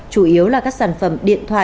chủ yếu là các sản phẩm điện thoại